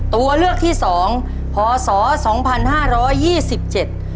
ตัวเลือกที่สองพศสองพันห้าร้อยยี่สิบเจ็ด